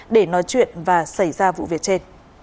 để nói chuyện và xảy ra vụ việc trên